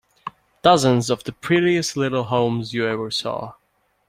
Dozens of the prettiest little homes you ever saw.